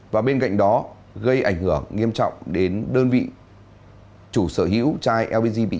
và bên cạnh đó gây ảnh hưởng nghiêm trọng đến đơn vị chủ sở hữu chai lpg bị chiếm dụng